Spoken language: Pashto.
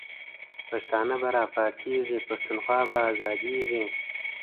پښتانه به را پاڅیږی، پښتونخوا به آزادیږی